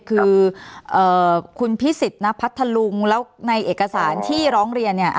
คือคุณพิสิทธิ์ณพัทธลุงแล้วในเอกสารที่ร้องเรียนเนี่ย